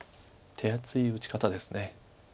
手厚い打ち方です。